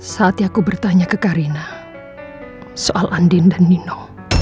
saatnya aku bertanya ke karina soal andin dan nino